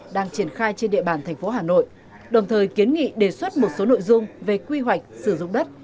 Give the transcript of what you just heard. đang triển khai trên địa bàn thành phố hà nội đồng thời kiến nghị đề xuất một số nội dung về quy hoạch sử dụng đất